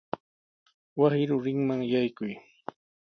Wasi rurinman yaykuy.